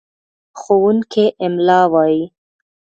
ښوونکی املا وايي.